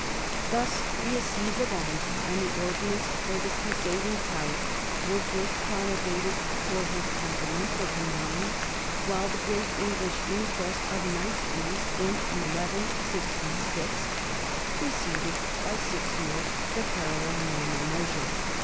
Thus the Assize of Arms and the ordinance for the crusading tithe were first promulgated for his con tinental dominions, while the great English inquest of knights' fees in 1166 preceded by six years the parallel Norman measure.